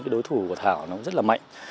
đối thủ của thảo rất là mạnh